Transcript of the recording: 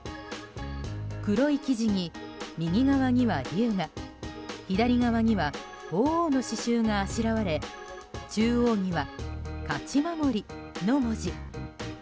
黒い生地に右側には竜が左側には鳳凰の刺しゅうがあしらわれ中央には「勝守」の文字。